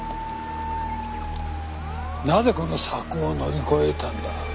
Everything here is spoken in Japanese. なぜこんな柵を乗り越えたんだ？